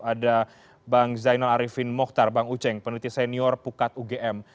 ada bang zainal arifin mohtar bang uceng peneliti senior pukat ugm